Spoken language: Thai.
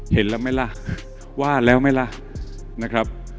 เห็นแล้วไหมล่ะว่าแล้วไหมล่ะนะครับ